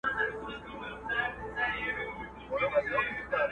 نن په رنګ د آیینه کي سر د میني را معلوم سو!!